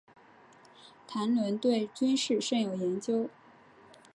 谭纶对军事甚有研究。